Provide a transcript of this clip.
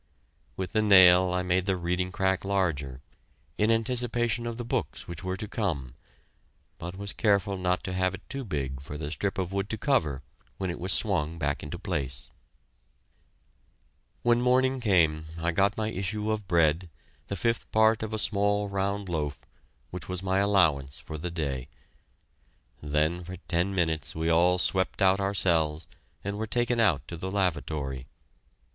With the nail I made the reading crack larger, in anticipation of the books which were to come, but was careful not to have it too big for the strip of wood to cover when it was swung back into place. When morning came I got my issue of bread, the fifth part of a small round loaf, which was my allowance for the day. Then for ten minutes we all swept out our cells and were taken out to the lavatory.